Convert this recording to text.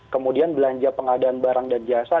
kemudian belanja pengadaan barang dan jasa